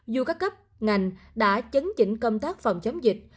dù các cấp ngành đã chấn chỉnh công tác phòng chống dịch